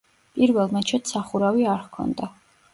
პირველ მეჩეთს სახურავი არ ჰქონდა.